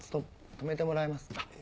止めてもらえます？